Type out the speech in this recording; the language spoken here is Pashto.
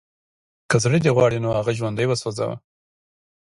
که زړه دې غواړي نو هغه ژوندی وسوځوه